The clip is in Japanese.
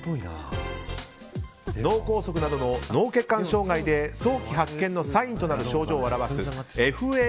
脳梗塞などの脳血管障害で早期発見のサインとなる症状を表すＦＡＳ。